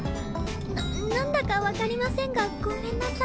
ななんだかわかりませんがごめんなさい。